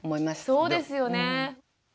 そうですよね。